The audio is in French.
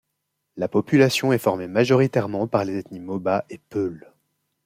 La population est formée majoritairement par les ethnies Moba, et Peuhl.